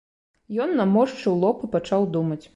Ён наморшчыў лоб і пачаў думаць.